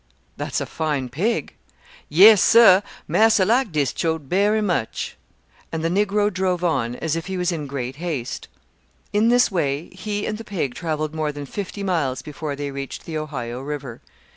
"That's a fine pig." "Yes, sir, marser like dis choat berry much." And the Negro drove on as if he was in great haste. In this way he and the pig travelled more than fifty miles before they reached the Ohio river.